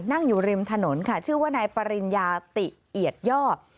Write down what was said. นั่งอยู่ริมถนนค่ะชื่อว่านายปริญญาติเอียดย่อ